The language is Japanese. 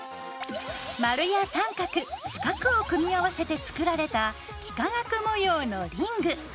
マルや三角四角を組み合わせて作られた「幾何学模様のリング」。